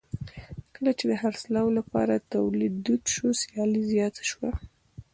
کله چې د خرڅلاو لپاره تولید دود شو سیالي زیاته شوه.